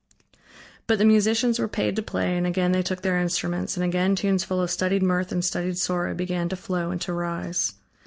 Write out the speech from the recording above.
But the musicians were paid to play and again they took their instruments and again tunes full of studied mirth and studied sorrow began to flow and to rise.